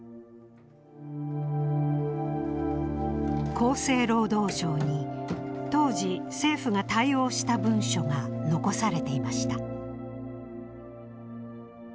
厚生労働省に当時政府が対応した文書が残されていました。